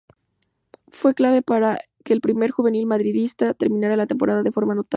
Fue clave para que el primer juvenil madridista terminase la temporada de forma notable.